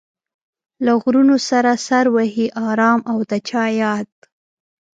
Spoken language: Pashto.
له غرونو سره سر وهي ارام او د چا ياد